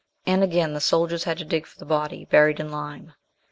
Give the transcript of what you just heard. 17 and again the soldiers had to dig for the body, buried in lime.